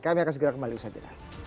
kami akan segera kembali ke sana